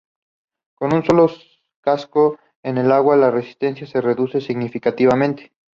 Con un solo casco en el agua la resistencia se reduce significativamente.